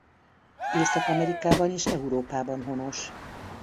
Észak-Amerikában és Európában honos.